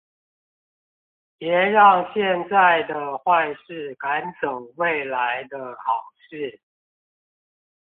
別讓現在的壞事趕走未來的好事